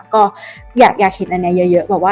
ก็อยากเห็นอันนี้เยอะ